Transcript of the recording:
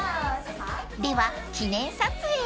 ［では記念撮影］